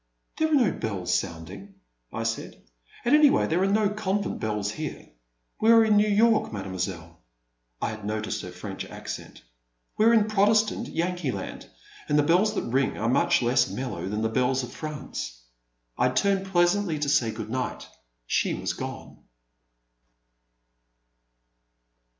*' There are no bells sounding," I said, "and anyway there are no convent bells here. We are in New York, mademoiselle "— I had noticed her French accent — we are in Protestant Yankee land, and the bells that ring are much less mellow than the bells of Prance. '' I turned pleasantly to say good night. She was gone.